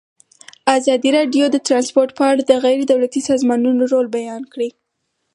ازادي راډیو د ترانسپورټ په اړه د غیر دولتي سازمانونو رول بیان کړی.